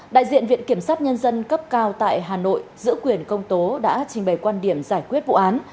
đại diện viện kiểm sát nhân dân cấp cao tại hà nội giữ quyền công tố đã trình bày quan điểm giải quyết vụ án